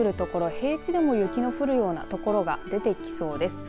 平地でも雪の降るような所が出てきそうです。